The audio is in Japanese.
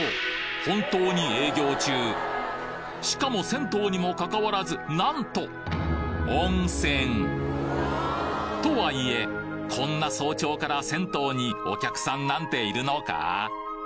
本当にしかも銭湯にもかかわらずなんと温泉とはいえこんな早朝から銭湯にお客さんなんているのか？